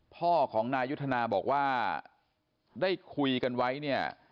พ่อของนายยุทธนาบอกว่าได้คุยกันไว้เนี่ย